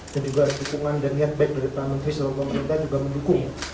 dan juga dukungan dan niat baik dari taman menteri dan taman pemerintah juga mendukung